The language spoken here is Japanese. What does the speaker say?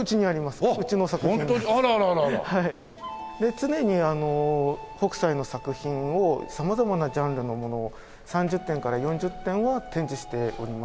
常に北斎の作品を様々なジャンルのものを３０点から４０点は展示しております。